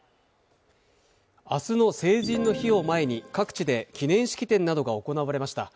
明日の成人の日を前に各地で記念式典などが行われました。